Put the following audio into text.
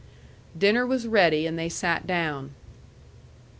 Dinner was ready, and they sat down.